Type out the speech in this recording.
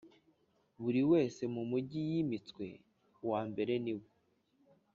buri wese mu mujyi yimitswe. uwa mbere ni we